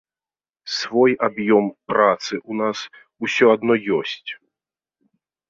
Свой аб'ём працы ў нас ўсё адно ёсць.